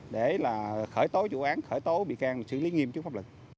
để là khởi tố vụ án khởi tố bị can xử lý nghiêm trước pháp luật